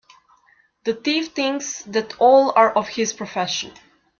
The thief thinks that all are of his profession.